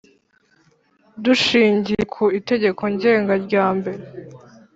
Dushingiye ku Itegeko Ngenga rya mbere